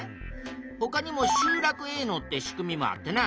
ほかにも集落営農って仕組みもあってな